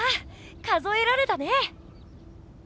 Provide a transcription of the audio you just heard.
数えられたね！